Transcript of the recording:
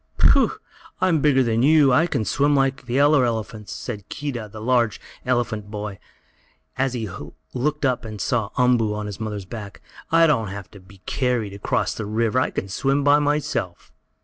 "Pooh! I'm bigger than you! I can swim like the other elephants!" said Keedah; a large elephant boy, as he looked up and saw Umboo on his mother's back. "I don't have to be carried across a river! I can swim by myself."